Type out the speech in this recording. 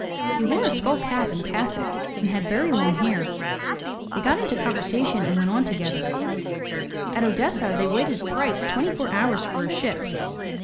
He wore a skull cap and cassock, and had very long hair. They got into conversation and went on together. At Odessa they waited thrice twenty four hours for a ship.